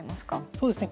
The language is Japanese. そうですね。